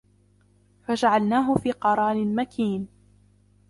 فَجَعَلْنَاهُ فِي قَرَارٍ مَكِينٍ